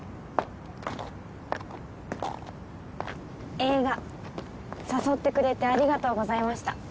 映画誘ってくれてありがとうございました。